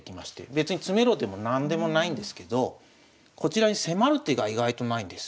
別に詰めろでも何でもないんですけどこちらに迫る手が意外とないんです。